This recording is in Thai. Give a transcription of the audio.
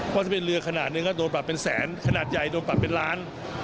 เพราะถ้าเป็นเรือขนาดหนึ่งก็โดนปรับเป็นแสนขนาดใหญ่โดนปรับเป็นล้าน